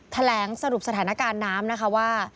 แถลงสรุปสถานการณ์น้ำนะคะว่า